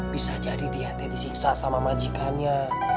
bisa jadi dia tidak disiksa sama majikannya